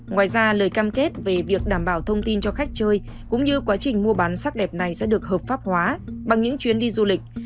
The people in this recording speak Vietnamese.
ngoài ra lời cam kết về việc đảm bảo thông tin cho khách chơi cũng như quá trình mua bán sắc đẹp này sẽ được hợp pháp hóa bằng những chuyến đi du lịch